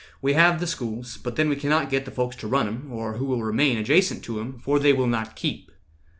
We have the schools, but then we cannot git The folks to run 'em, or who will remain Adjacent to 'em, for they will not keep."